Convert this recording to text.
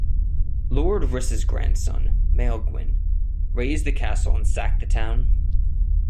Lord Rhys' grandson Maelgwn razed the castle and sacked the town.